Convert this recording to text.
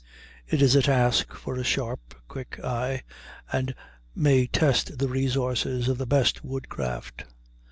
It is a task for a sharp, quick eye, and may test the resources of the best woodcraft.